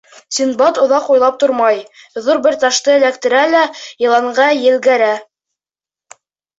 Синдбад оҙаҡ уйлап тормай, ҙур бер ташты эләктерә лә йыланға елгәрә.